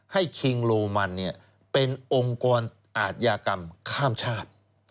ให้คิงโรมันเนี่ยเป็นองค์กรอาชญากรรมข้ามชาติ